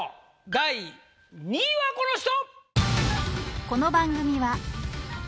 第２位はこの人！